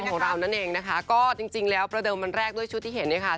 ของเรานั่นเองนะคะก็จริงจริงแล้วประเดิมวันแรกด้วยชุดที่เห็นเนี่ยค่ะ